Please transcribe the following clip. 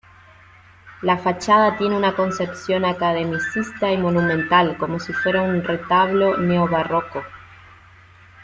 La fachada tiene una concepción academicista y monumental como si fuera un retablo neobarroco.